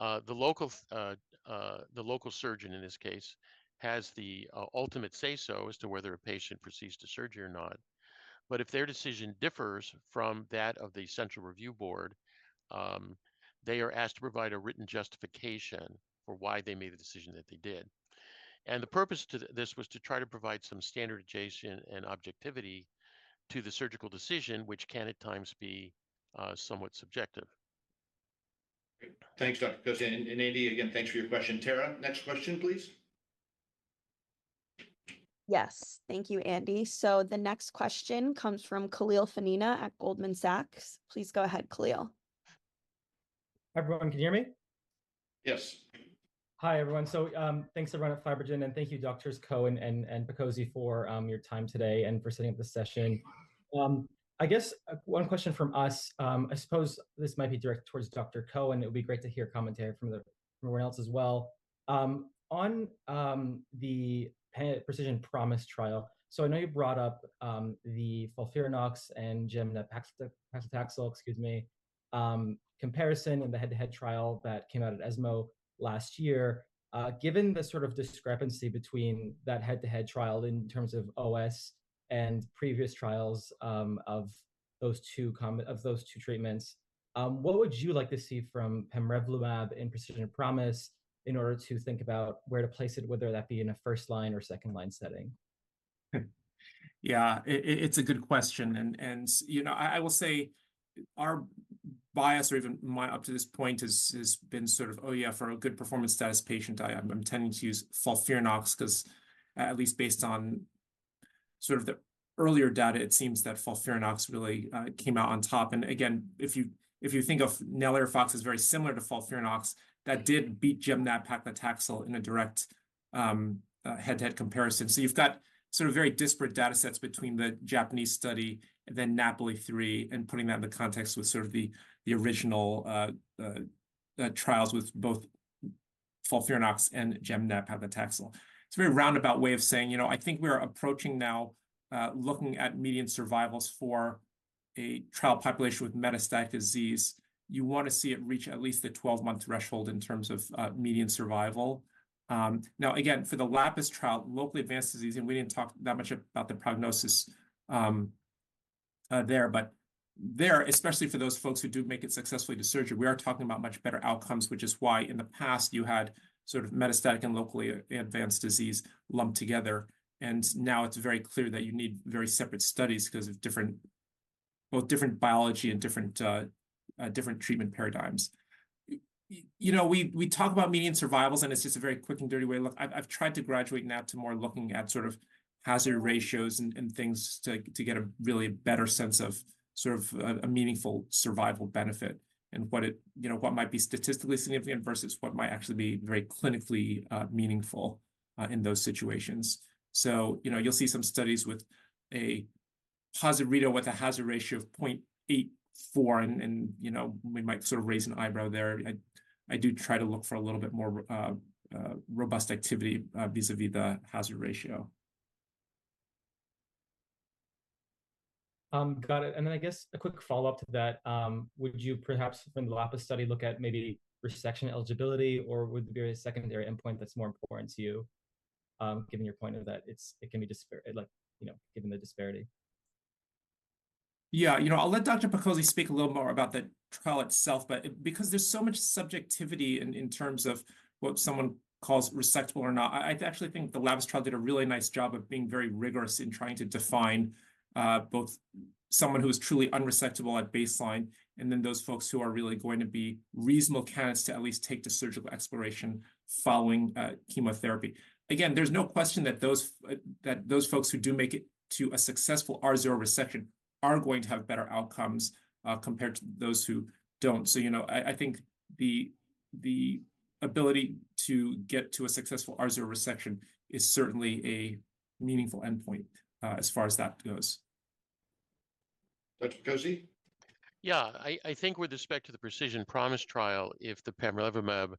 D: The local surgeon, in this case, has the ultimate say-so as to whether a patient proceeds to surgery or not. But if their decision differs from that of the central review board, they are asked to provide a written justification for why they made the decision that they did. The purpose of this was to try to provide some standardization and objectivity to the surgical decision, which can at times be somewhat subjective.
B: Thanks, Dr. Picozzi. Andy, again, thanks for your question. Tara? Next question, please.
A: Yes. Thank you, Andy. The next question comes from Khalil Fanina at Goldman Sachs. Please go ahead, Khalil.
G: Everyone, can you hear me?
B: Yes.
G: Hi, everyone. So thanks to FibroGen, and thank you, Dr. Ko and Picozzi, for your time today and for setting up this session. I guess one question from us. I suppose this might be directed towards Dr. Ko, and it would be great to hear commentary from everyone else as well. On the Precision Promise trial, so I know you brought up the FOLFIRINOX and gem/nab-paclitaxel, excuse me, comparison in the head-to-head trial that came out at ESMO last year. Given the sort of discrepancy between that head-to-head trial in terms of OS and previous trials of those two treatments, what would you like to see from pamrevlumab in Precision Promise in order to think about where to place it, whether that be in a first-line or second-line setting?
C: Yeah, it's a good question. You know, I will say our bias, or even up to this point, has been sort of, "Oh, yeah, for a good performance status patient, I'm tending to use FOLFIRINOX," because at least based on sort of the earlier data, it seems that FOLFIRINOX really came out on top. And again, if you think of NALIRIFOX, it's very similar to FOLFIRINOX. That did beat gem/nab-paclitaxel in a direct head-to-head comparison. So you've got sort of very disparate datasets between the Japanese study and then NAPOLI-3 and putting that in the context with sort of the original trials with both FOLFIRINOX and gem/nab-paclitaxel. It's a very roundabout way of saying, you know, I think we are approaching now, looking at median survivals for a trial population with metastatic disease, you want to see it reach at least the 12-month threshold in terms of median survival. Now, again, for the LAPIS trial, locally advanced disease, and we didn't talk that much about the prognosis there. But there, especially for those folks who do make it successfully to surgery, we are talking about much better outcomes, which is why in the past you had sort of metastatic and locally advanced disease lumped together. And now it's very clear that you need very separate studies because of both different biology and different treatment paradigms. You know, we talk about median survivals, and it's just a very quick and dirty way. Look, I've tried to graduate now to more looking at sort of hazard ratios and things to get a really better sense of sort of a meaningful survival benefit and what it, you know, what might be statistically significant versus what might actually be very clinically meaningful in those situations. So, you know, you'll see some studies with a positive readout with a hazard ratio of 0.84. And, you know, we might sort of raise an eyebrow there. I do try to look for a little bit more robust activity vis-à-vis the hazard ratio.
G: Got it. And then I guess a quick follow-up to that. Would you perhaps, from the LAPIS study, look at maybe resection eligibility, or would there be a secondary endpoint that's more important to you, given your point of that it can be disparate, like, you know, given the disparity?
C: Yeah, you know, I'll let Dr. Picozzi speak a little more about the trial itself. But because there's so much subjectivity in terms of what someone calls resectable or not, I actually think the LAPIS trial did a really nice job of being very rigorous in trying to define both someone who is truly unresectable at baseline and then those folks who are really going to be reasonable candidates to at least take to surgical exploration following chemotherapy. Again, there's no question that those folks who do make it to a successful R0 resection are going to have better outcomes compared to those who don't. So, you know, I think the ability to get to a successful R0 resection is certainly a meaningful endpoint as far as that goes.
B: Dr. Picozzi?
D: Yeah, I think with respect to the Precision Promise trial, if the pamrevlumab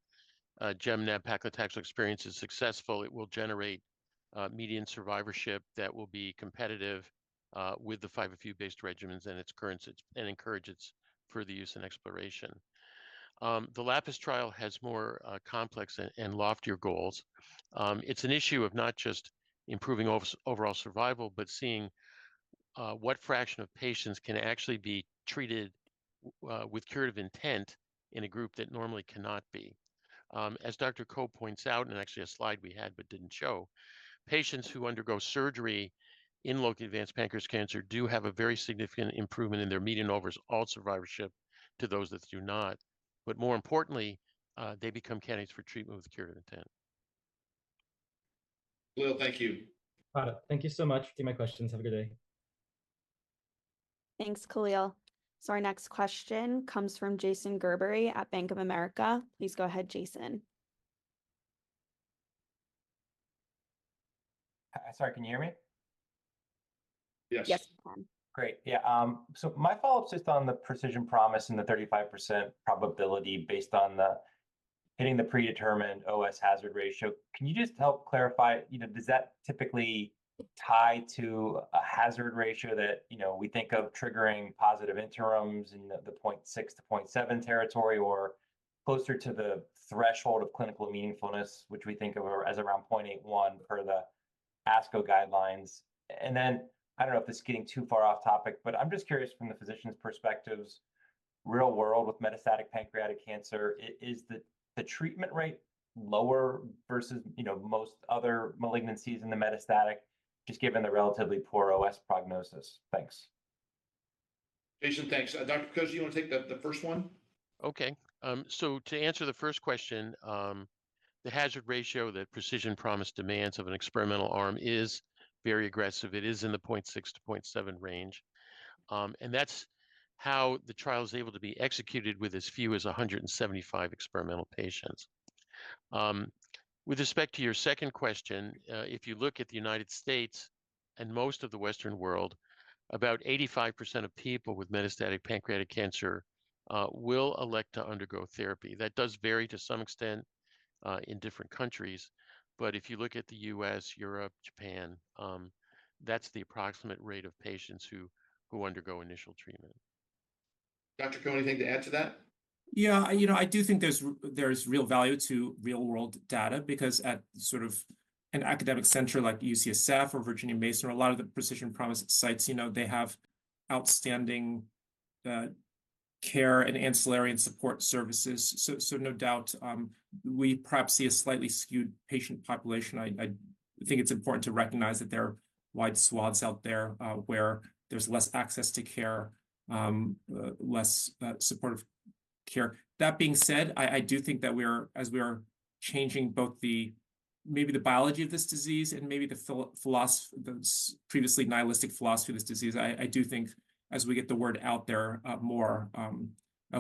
D: gemcitabine/nab-paclitaxel experience is successful, it will generate median survivorship that will be competitive with the 5-FU-based regimens and encourage it for the use and exploration. The LAPIS trial has more complex and loftier goals. It's an issue of not just improving overall survival, but seeing what fraction of patients can actually be treated with curative intent in a group that normally cannot be. As Dr. Ko points out, and actually a slide we had but didn't show, patients who undergo surgery in locally advanced pancreatic cancer do have a very significant improvement in their median overall survivorship to those that do not. But more importantly, they become candidates for treatment with curative intent.
B: Khalil, thank you.
G: Got it. Thank you so much for taking my questions. Have a good day.
B: Thanks, Khalil. So our next question comes from Jason Gerberry at Bank of America. Please go ahead, Jason.
H: Sorry, can you hear me?
D: Yes.
B: Yes, you can.
H: Great. Yeah. So my follow-up is just on the Precision Promise and the 35% probability based on hitting the predetermined OS hazard ratio. Can you just help clarify? You know, does that typically tie to a hazard ratio that, you know, we think of triggering positive interims in the 0.6-0.7 territory or closer to the threshold of clinical meaningfulness, which we think of as around 0.81 per the ASCO guidelines? And then I don't know if this is getting too far off topic, but I'm just curious from the physician's perspectives, real world with metastatic pancreatic cancer, is the treatment rate lower versus, you know, most other malignancies in the metastatic, just given the relatively poor OS prognosis? Thanks.
B: Jason, thanks. Dr. Picozzi, do you want to take the first one?
D: Okay. So to answer the first question, the hazard ratio that Precision Promise demands of an experimental arm is very aggressive. It is in the 0.6-0.7 range. And that's how the trial is able to be executed with as few as 175 experimental patients. With respect to your second question, if you look at the United States and most of the Western world, about 85% of people with metastatic pancreatic cancer will elect to undergo therapy. That does vary to some extent in different countries. But if you look at the U.S., Europe, Japan, that's the approximate rate of patients who undergo initial treatment.
B: Dr. Ko, anything to add to that?
C: Yeah, you know, I do think there's real value to real-world data because at sort of an academic center like UCSF or Virginia Mason, or a lot of the Precision Promise sites, you know, they have outstanding care and ancillary and support services. So no doubt, we perhaps see a slightly skewed patient population. I think it's important to recognize that there are wide swaths out there where there's less access to care, less supportive care. That being said, I do think that we're, as we are changing both maybe the biology of this disease and maybe the previously nihilistic philosophy of this disease, I do think as we get the word out there more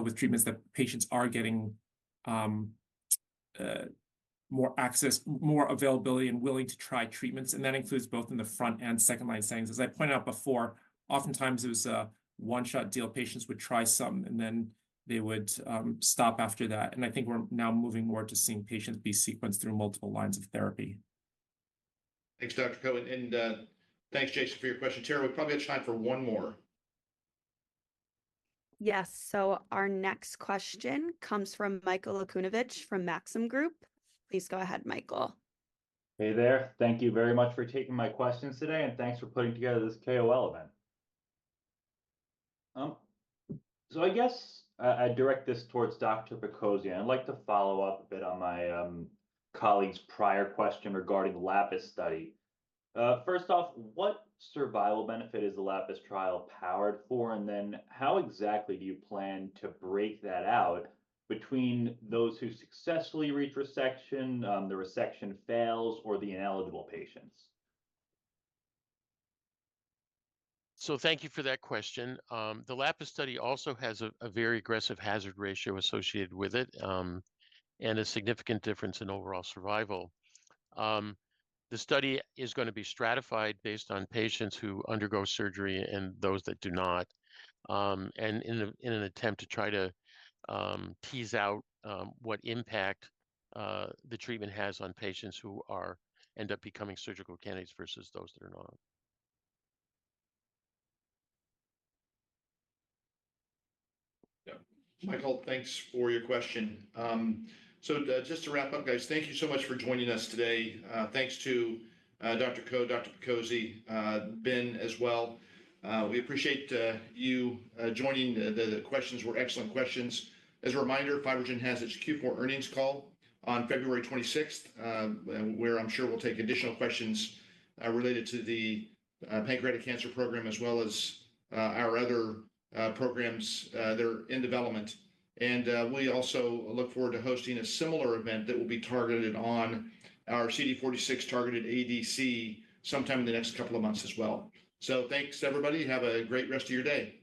C: with treatments that patients are getting more access, more availability, and willing to try treatments. And that includes both in the front and second-line settings. As I pointed out before, oftentimes it was a one-shot deal. Patients would try some, and then they would stop after that. I think we're now moving more to seeing patients be sequenced through multiple lines of therapy.
B: Thanks, Dr. Ko. Thanks, Jason, for your question. Tara, we probably have time for one more.
A: Yes. So our next question comes from Michael Okunewitch from Maxim Group. Please go ahead, Michael.
I: Hey there. Thank you very much for taking my questions today. Thanks for putting together this KOL event. I guess I'd direct this towards Dr. Picozzi. I'd like to follow up a bit on my colleague's prior question regarding the LAPIS study. First off, what survival benefit is the LAPIS trial powered for? And then how exactly do you plan to break that out between those who successfully reach resection, the resection fails, or the ineligible patients?
D: So thank you for that question. The LAPIS study also has a very aggressive hazard ratio associated with it and a significant difference in overall survival. The study is going to be stratified based on patients who undergo surgery and those that do not, and in an attempt to try to tease out what impact the treatment has on patients who end up becoming surgical candidates versus those that are not.
B: Yeah. Michael, thanks for your question. So just to wrap up, guys, thank you so much for joining us today. Thanks to Dr. Ko, Dr. Picozzi, Ben as well. We appreciate you joining. The questions were excellent questions. As a reminder, FibroGen has its Q4 earnings call on February 26th, where I'm sure we'll take additional questions related to the pancreatic cancer program as well as our other programs that are in development. And we also look forward to hosting a similar event that will be targeted on our CD46 targeted ADC sometime in the next couple of months as well. So thanks, everybody. Have a great rest of your day.